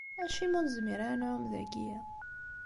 Acimi ur nezmir ara ad nɛumm dagi?